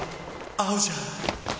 合うじゃん！！